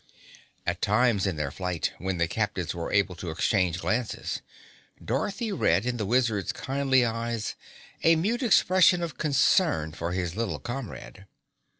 At times in their flight, when the captives were able to exchange glances, Dorothy read in the Wizard's kindly eyes a mute expression of concern for his little comrade.